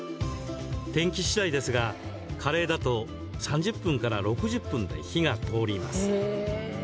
天気しだいですが、カレーだと３０分から６０分で火が通ります。